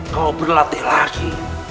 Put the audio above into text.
kau berlatih lagi